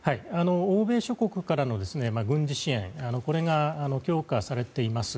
欧米諸国からの軍事支援これが強化されています。